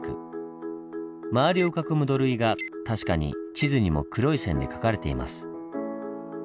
周りを囲む土塁が確かに地図にも黒い線で描かれています。